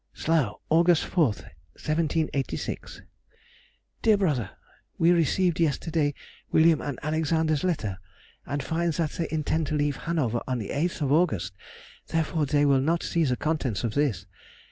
SLOUGH, August 4, 1786. DEAR BROTHER,— We received yesterday William's and Alexander's letter, and find that they intend to leave Hanover on the 8th of August, therefore they will not see the contents of this.